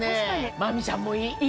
真美ちゃんもいい！